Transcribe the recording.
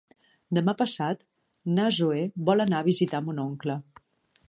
Demà passat na Zoè vol anar a visitar mon oncle.